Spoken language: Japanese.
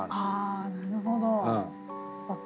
あなるほど。